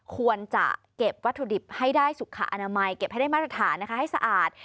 ควรจะเก็บวัตถุดิบให้ได้สุขอนามัยเก็บให้ได้มาตรฐานนะคะให้สะอาด